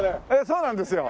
そうなんですよ。